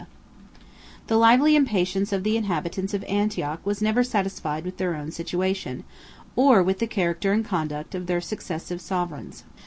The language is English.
] The lively impatience of the inhabitants of Antioch was never satisfied with their own situation, or with the character and conduct of their successive sovereigns.